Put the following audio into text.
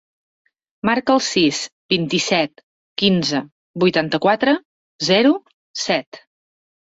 Marca el sis, vint-i-set, quinze, vuitanta-quatre, zero, set.